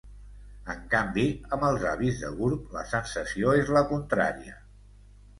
En canvi, amb els avis de Gurb la sensació és la contrària.